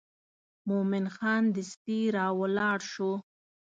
مومن خان دستي راولاړ شو.